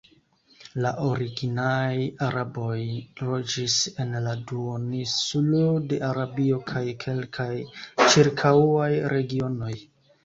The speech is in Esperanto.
La originaj araboj loĝis en la duoninsulo de Arabio kaj kelkaj ĉirkaŭaj regionoj.